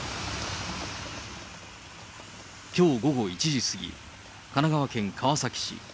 きょう午後１時過ぎ、神奈川県川崎市。